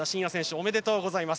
おめでとうございます。